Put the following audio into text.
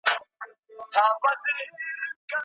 د سياست پوهني په برخه کي بايد نوي کادرونه وروزل سي.